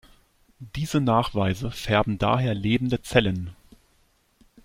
Diese Nachweise färben daher lebende Zellen.